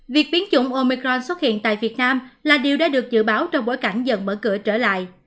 việc biến chủng omicron xuất hiện tại việt nam là điều đã được dự báo trong bối cảnh dần mở cửa trở lại